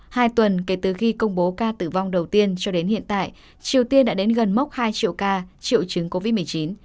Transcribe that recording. hai tuần kể từ khi công bố ca tử vong đầu tiên cho đến hiện tại triều tiên đã đến gần mốc hai triệu ca triệu chứng covid một mươi chín